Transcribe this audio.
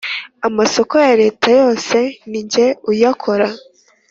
amasoko ya leta yose ninjye uyakora